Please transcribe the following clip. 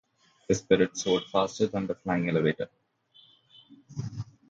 His spirits soared faster than the flying elevator.